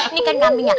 ini kan kambingnya